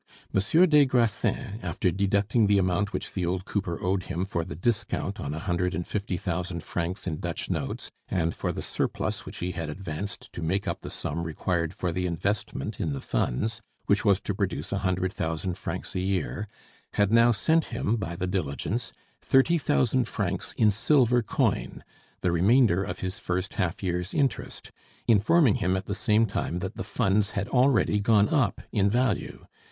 Monsieur des Grassins, after deducting the amount which the old cooper owed him for the discount on a hundred and fifty thousand francs in Dutch notes, and for the surplus which he had advanced to make up the sum required for the investment in the Funds which was to produce a hundred thousand francs a year, had now sent him, by the diligence, thirty thousand francs in silver coin, the remainder of his first half year's interest, informing him at the same time that the Funds had already gone up in value.